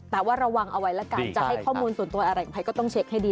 แต่ว่าระวังเอาไว้แล้วกันจะให้ข้อมูลส่วนตัวอะไรกับใครก็ต้องเช็คให้ดี